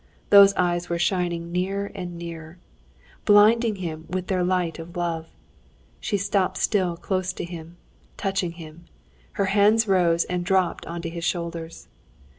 Those eyes were shining nearer and nearer, blinding him with their light of love. She stopped still close to him, touching him. Her hands rose and dropped onto his shoulders.